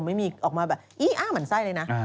ไม่มีออกมาแบบอี้อ้าหมั่นไส้เลยนะ